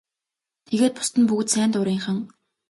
Тэгээд бусад нь бүгд сайн дурынхан.